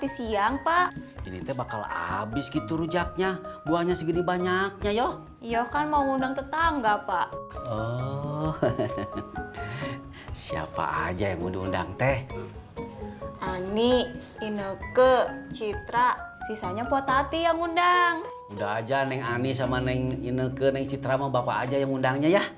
sampai jumpa di video selanjutnya